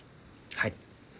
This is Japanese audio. はい。